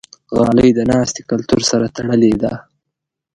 غالۍ د ناستې کلتور سره تړلې ده.